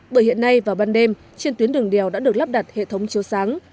bởi hiện nay vào ban đêm trên tuyến đường đèo đã được lắp đặt hệ thống chiếu sáng